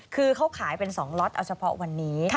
คือเขาขายเป็น๒ล็อตเอาเฉพาะวันนี้